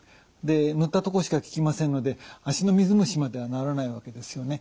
塗ったとこしか効きませんので足の水虫までは治らないわけですよね。